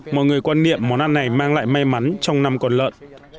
mọi người quan niệm món ăn này mang lại may mắn trong năm con lợn